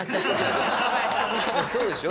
そうでしょ？